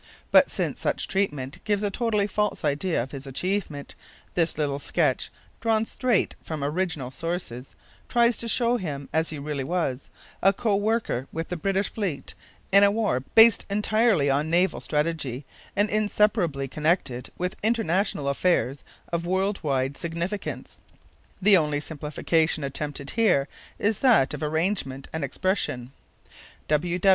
But, since such treatment gives a totally false idea of his achievement, this little sketch, drawn straight from original sources, tries to show him as he really was, a co worker with the British fleet in a war based entirely on naval strategy and inseparably connected with international affairs of world wide significance. The only simplification attempted here is that of arrangement and expression.